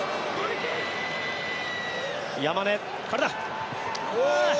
山根。